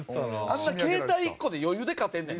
あんな携帯１個で余裕で勝てんねん。